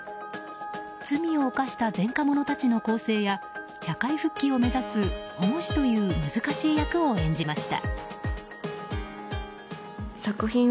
罪を犯した前科者たちの更生や社会復帰を目指す保護司という難しい役を演じました。